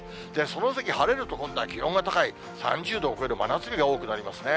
その先、晴れると思ったら気温が高い、３０度を超える真夏日が多くなりますね。